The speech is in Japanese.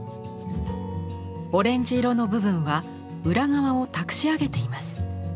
オレンジ色の部分は裏側をたくし上げています。